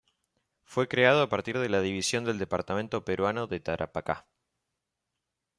Fue creado a partir de la división del departamento peruano de Tarapacá.